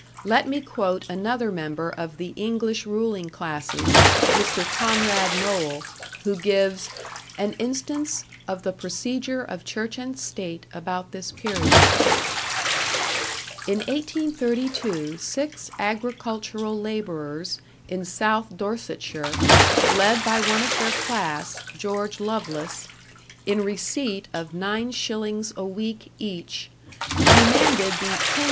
Let me quote another member of the English ruling classes, Mr. Conrad Noel, who gives "an instance, of the procedure of Church and State about this period": In 1832 six agricultural labourers in South Dorsetshire, led by one of their class, George Loveless, in receipt of 9s. a week each, demanded the 10s.